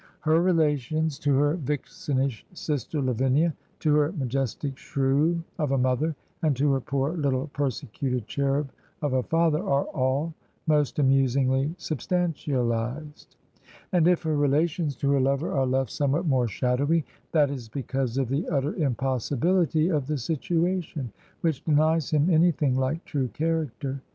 Her relations to her vixenish sister Lavinia, to her majestic shrew of a mother, and to her poor little persecuted cherub of a father, are all most amusingly substantialized, and if her relations to her lover are left somewhat more shadowy, that is because of the utter impossibility of the situation, which denies him any thing like true character.